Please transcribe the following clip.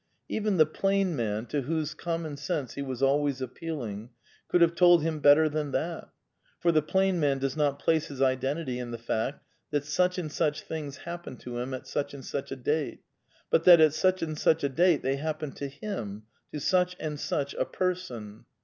Even the " plain man " to whose common sense he was al ways appealing, could have told him better than that, for the plain man does not place his identity in the fact that such and such things happened to him at such and such a date, but that at such and such a date they happened to him, to such and such a person.